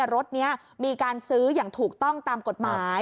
รถนี้มีการซื้ออย่างถูกต้องตามกฎหมาย